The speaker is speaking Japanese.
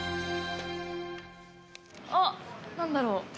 あっ、何だろう。